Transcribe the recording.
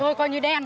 thôi coi như đen